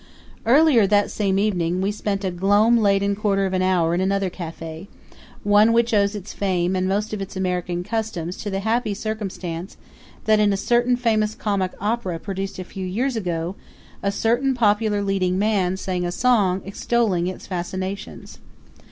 Earlier that same evening we spent a gloom laden quarter of an hour in another cafe one which owes its fame and most of its American customs to the happy circumstance that in a certain famous comic opera produced a few years ago a certain popular leading man sang a song extolling its fascinations.